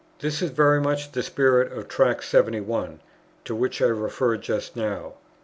This is very much the spirit of Tract 71, to which I referred just now.